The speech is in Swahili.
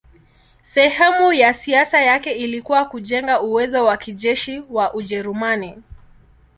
Sehemu ya siasa yake ilikuwa kujenga uwezo wa kijeshi wa Ujerumani.